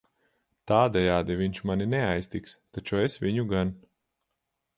Tādejādi viņš mani neaiztiks, taču es viņu gan.